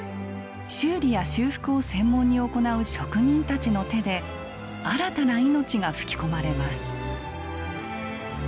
修理や修復を専門に行う職人たちの手で新たな命が吹き込まれます。